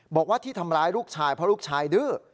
บอกว่าที่ทำร้ายลูกชายเพราะลูกชายดื้อ